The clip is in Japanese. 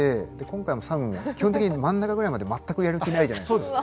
今回もサムも基本的に真ん中ぐらいまで全くやる気ないじゃないですか。